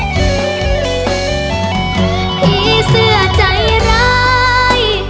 พี่เชื่อใจร้าย